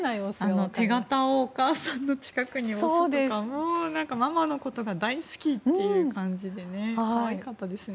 手形をお母さんの近くに押すというのもママのことが大好きという感じで可愛かったですね。